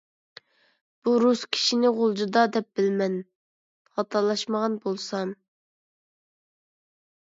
بۇ رۇس كىشىنى غۇلجىدا دەپ بىلىمەن، خاتالاشمىغان بولسام.